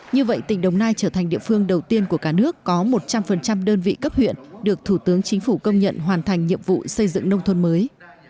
như vậy tỉnh đồng nai trở thành địa phương đầu tiên của cả nước có một trăm linh đơn vị cấp huyện được thủ tướng chính phủ công nhận hoàn thành nhiệm vụ xây dựng nông thôn mới